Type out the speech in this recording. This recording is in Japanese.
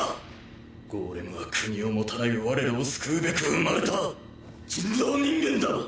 ゴーレムは国を持たない我らを救うべく生まれた人造人間だ！